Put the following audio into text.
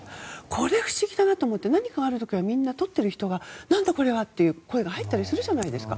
これが不思議だなと思って何かある時はみんな撮ってる時は何だこれは？って声が入ったりするじゃないですか。